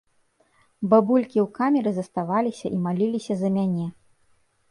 Бабулькі ў камеры заставаліся і маліліся за мяне.